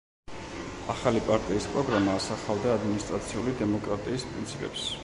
ახალი პარტიის პროგრამა ასახავდა ადმინისტრაციული დემოკრატიის პრინციპებს.